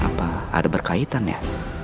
apa ada berkaitan ya